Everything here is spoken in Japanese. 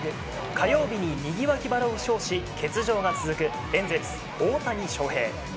火曜日に右脇腹を負傷し欠場が続くエンゼルス、大谷翔平。